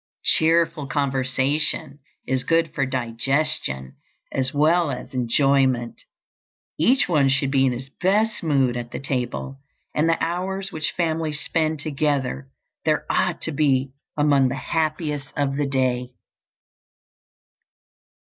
Cheerful conversation is good for digestion as well as enjoyment. Each one should be in his best mood at the table, and the hours which families spend together there ought to be among the happiest of the day.